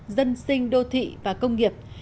dân sinh đô thị và công nghiệp